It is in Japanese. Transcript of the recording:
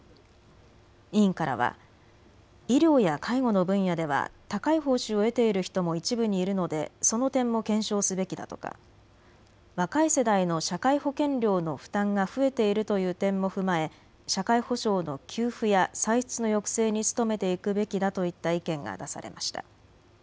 委員からは医療や介護の分野では高い報酬を得ている人も一部にいるのでその点も検証すべきだとか若い世代の社会保険料の負担が増えているという点も踏まえ社会保障の給付や歳出の抑制に努めていくべきだといった意見が出されました。